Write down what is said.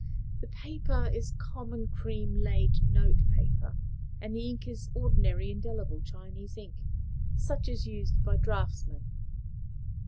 The paper is common cream laid notepaper, and the ink is ordinary indelible Chinese ink, such as is used by draughtsmen.